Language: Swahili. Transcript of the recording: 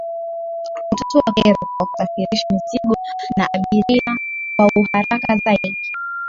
Kutatua kero kwa kusafirisha mizigo na abiria kwa uharaka zaidi